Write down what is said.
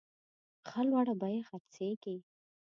ښه لوړه بیه خرڅیږي.